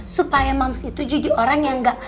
supaya moms itu jadi orang yang gak